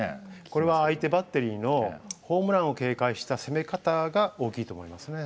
これは相手バッテリーのホームランを警戒した攻め方が大きいと思いますね。